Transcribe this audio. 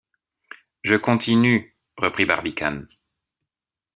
Je continue, reprit Barbicane.